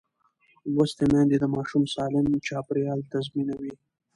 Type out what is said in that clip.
لوستې میندې د ماشوم سالم چاپېریال تضمینوي.